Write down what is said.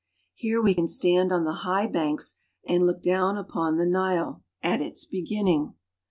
Here we can ^n4 on the high banks and look down upon the Nile at its 142 AFRICA beginning.